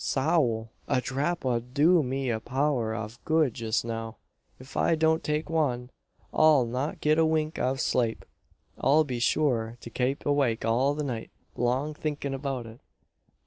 "Sowl! a dhrap 'ud do me a power av good just now. If I don't take wan, I'll not get a wink av slape. I'll be shure to kape awake all the night long thinkin' about it.